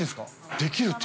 できるってよ。